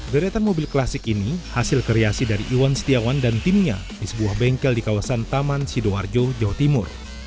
deretan mobil klasik ini hasil kreasi dari iwan setiawan dan timnya di sebuah bengkel di kawasan taman sidoarjo jawa timur